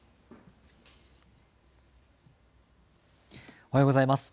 おはようございます。